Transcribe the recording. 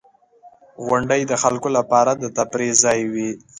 • غونډۍ د خلکو لپاره د تفریح ځای وي.